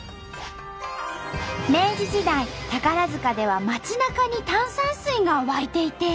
明治時代宝塚では街なかに炭酸水が湧いていて。